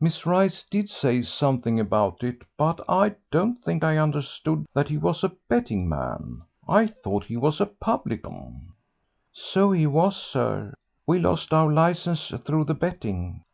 Miss Rice did say something about it, but I don't think I understood that he was a betting man; I thought he was a publican." "So he was, sir. We lost our licence through the betting."